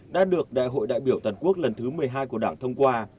đã được đại hội đại biểu toàn quốc lần thứ một mươi hai của đảng thông qua